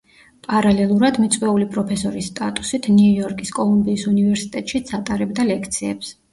პარალელურად, მიწვეული პროფესორის სტატუსით, ნიუ იორკის კოლუმბიის უნივერსიტეტშიც ატარებდა ლექციებს.